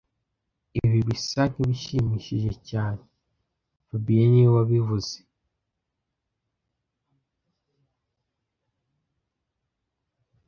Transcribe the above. Ibi bisa nkibishimishije cyane fabien niwe wabivuze